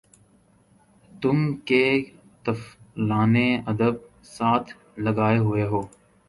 تُم کہ طفلانِ ادب ساتھ لگائے ہُوئے ہو